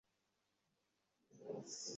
কিন্তু এখন কেন এসব বলছিস?